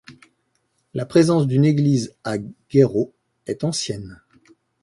La présence d'une église à Gairaut est ancienne.